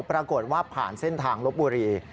ปรากฏว่าผ่านเส้นทางลบบุรี